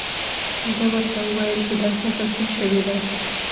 ده ورته وویل چې دا ښځه څه شوې ده.